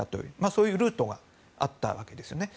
そういうルートがあったわけですね。